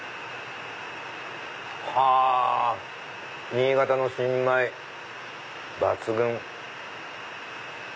はぁ新潟の新米抜群！